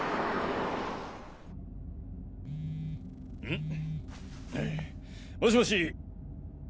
ん？もしもし？